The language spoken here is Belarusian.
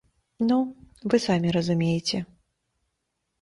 Ну, вы самі разумееце.